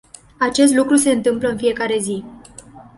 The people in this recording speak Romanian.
Acest lucru se întâmplă în fiecare zi.